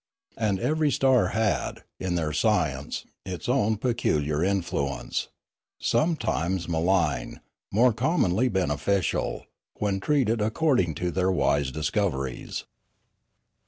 And every star had, in their science, its own peculiar influence, sometimes malign, more commonly beneficial, when treated according to their wise dis coveries.